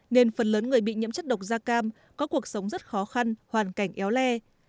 nên phần lớn người bị nhiễm chất độc da cam có cuộc sống rất khó khăn hoàn cảnh éo le